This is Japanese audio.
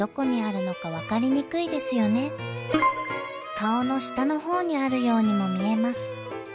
顔の下の方にあるようにも見えます。